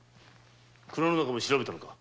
蔵の中も調べたのか？